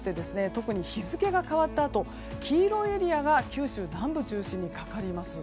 特に日付が変わったあと黄色いエリアが九州南部を中心にかかります。